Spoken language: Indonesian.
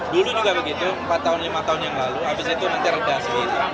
dulu juga begitu empat tahun lima tahun yang lalu abis itu nanti reda sendiri